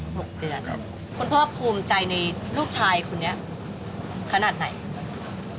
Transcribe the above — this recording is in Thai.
คุณพ่อภูมิใจในลูกชายคุณนี้ขนาดไหน